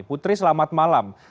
putri selamat malam